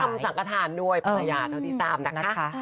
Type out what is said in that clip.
แล้วก็ทำสังกฐานด้วยประหยาเท่าที่๓นะคะ